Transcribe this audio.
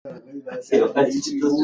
مېلې د ټولني د رغښت او پرمختګ سمبول دي.